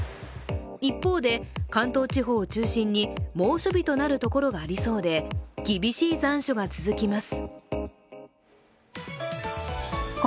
一方で、関東地方を中心に猛暑日となるところがありそうで厳しい残暑が続きます。